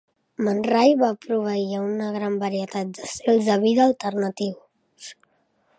Manray va proveir a una gran varietat de estils de vida alternatius.